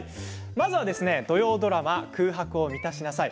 まずは土曜ドラマ「空白を満たしなさい」